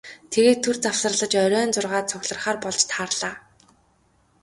Тэгээд түр завсарлаж оройн зургаад цугларахаар болж тарлаа.